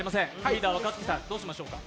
リーダー若槻さんどうしましょうか。